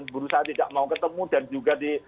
berusaha tidak mau ketemu dan juga di